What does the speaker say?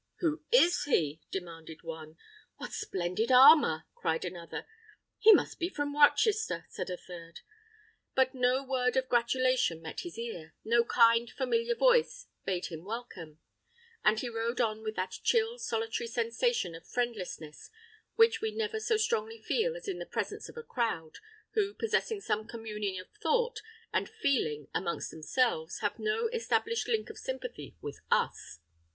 "Who is he?" demanded one. "What splendid armour!" cried another. "He must be from Rochester," said a third. But no word of gratulation met his ear, no kind, familiar voice bade him welcome; and he rode on with that chill, solitary sensation of friendlessness which we never so strongly feel as in the presence of a crowd, who, possessing some communion of thought and feeling amongst themselves, have no established link of sympathy with us.